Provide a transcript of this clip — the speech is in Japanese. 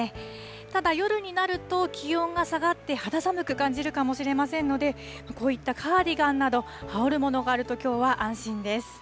ただ、夜になると気温が下がって、肌寒く感じるかもしれませんので、こういったカーディガンなど、羽織るものがあるときょうは安心です。